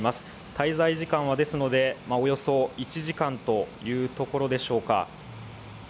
滞在時間は、およそ１時間というところでしょうか。